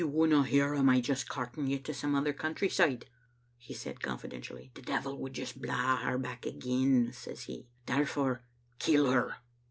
" He wouldna hear o' my just carting you to some other countryside," he said confidentially. " 'The devil would just blaw her back again,' says He, 'therefore kill her.